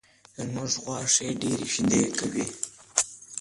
زمونږ غوا ښې ډېرې شیدې کوي